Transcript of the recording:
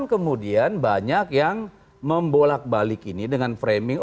kemudian banyak yang membolak balik ini dengan framing